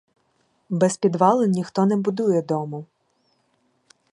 Без підвалин ніхто не будує дому.